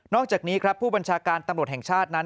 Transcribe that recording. อกจากนี้ครับผู้บัญชาการตำรวจแห่งชาตินั้น